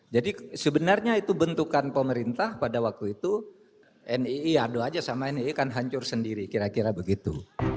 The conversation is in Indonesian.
jadi sebenarnya itu bentukan pemerintah pada waktu itu nii adu saja sama nii kan hancur sendiri kira kira begitu